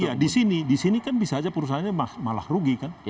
iya di sini di sini kan bisa saja perusahaannya malah rugi kan